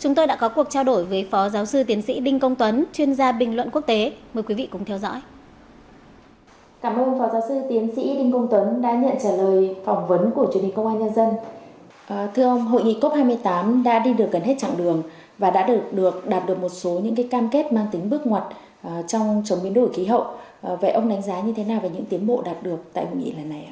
thưa ông hội nghị cop hai mươi tám đã đi được gần hết chặng đường và đã đạt được một số những cam kết mang tính bước ngoặt trong biến đổi khí hậu vậy ông đánh giá như thế nào về những tiến bộ đạt được tại hội nghị lần này